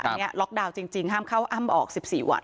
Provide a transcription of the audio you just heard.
อันนี้ล็อกดาวน์จริงห้ามเข้าอ้ำออก๑๔วัน